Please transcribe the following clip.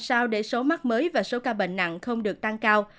sao để số mắc mới và số ca bệnh nặng không được tăng cao